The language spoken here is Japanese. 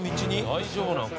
大丈夫なのか？